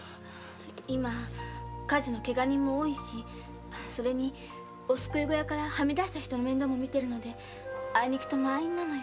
今火事のケガ人も多いしお救い小屋からはみ出した人の面倒も見てるので満員なのよ。